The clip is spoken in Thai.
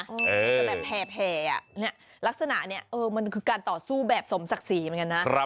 อาจจะแบบแห่ลักษณะนี้มันคือการต่อสู้แบบสมศักดิ์ศรีเหมือนกันนะ